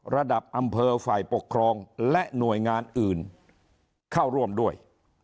ระดับอำเภอฝ่ายปกครองและหน่วยงานอื่นเข้าร่วมด้วย